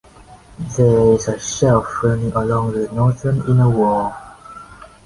There is a shelf running along the northern inner wall.